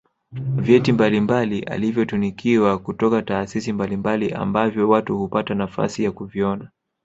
vyeti mbalimbali alivyotunikiwa kutoka taasisi mbalimbali ambavyo watu hupata nafasi ya kuviona